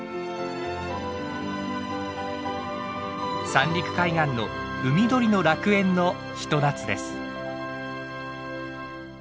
三陸海岸の海鳥の楽園のひと夏です。